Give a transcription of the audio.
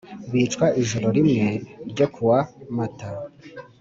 bicwa ijoro rimwe ryo ku wa mata